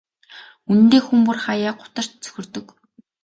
Үнэндээ хүн бүр хааяа гутарч цөхөрдөг.